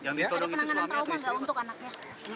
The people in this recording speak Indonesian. ada penanganan trauma nggak untuk anaknya